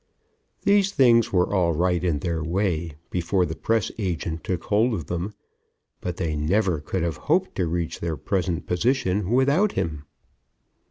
These things were all right in their way before the press agent took hold of them, but they never could have hoped to reach their present position without him.